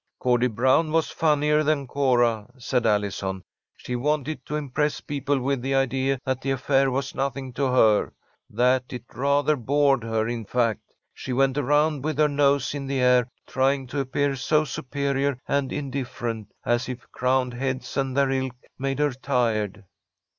'" "Cordie Brown was funnier than Cora," said Allison. "She wanted to impress people with the idea that the affair was nothing to her. That it rather bored her, in fact. She went around with her nose in the air, trying to appear so superior and indifferent, as if crowned heads and their ilk made her tired."